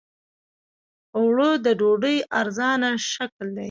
اوړه د ډوډۍ ارزانه شکل دی